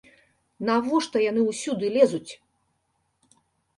Навошта яны ўсюды лезуць?